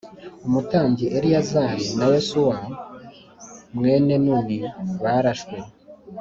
umutambyi Eleyazari na Yosuwa mwene Nuni barashwe